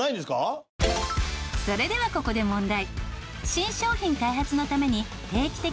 それではここで問題。